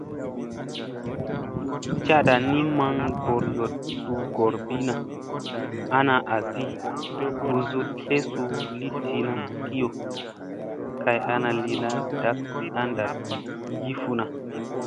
Cada di maŋ gooryoɗ suu goorbina ana assi busuɗ tlesu li tina kiyo kay ana lina dakwa a naɗ yi funa.